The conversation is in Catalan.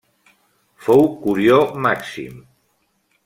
Fou Curió Màxim.